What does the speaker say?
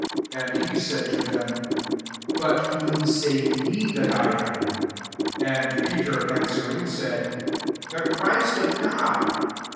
90 And he said to them, " But whom say ye that I am V* And Peter answering, said, "The Christ of God."